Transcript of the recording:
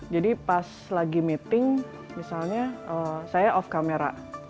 jadi pas lagi meeting misalnya saya off camera